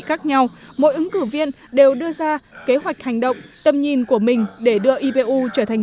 khác nhau mỗi ứng cử viên đều đưa ra kế hoạch hành động tầm nhìn của mình để đưa ipu trở thành